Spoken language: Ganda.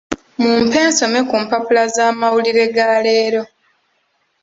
Mumpe nsome ku mpapula z'amawulire ga leero.